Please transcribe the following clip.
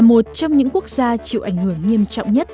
một trong những quốc gia chịu ảnh hưởng nghiêm trọng nhất